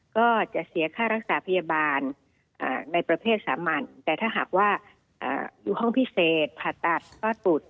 ก็จะเสียค่ารักษาพยาบาลในประเภทสามัญแต่ถ้าหากว่าอยู่ห้องพิเศษผ่าตัดก็ตุด